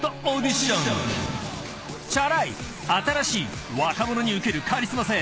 ［チャラい新しい若者にウケるカリスマ性］